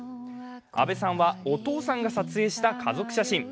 阿部さんは、お父さんが撮影した家族写真。